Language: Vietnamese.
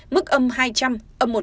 mức âm hai trăm linh